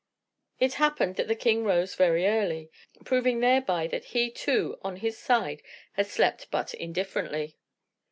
It happened that the king rose very early, proving thereby that he, too, on his side, had slept but indifferently.